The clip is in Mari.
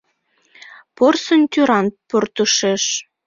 Порсын тӱран портышеш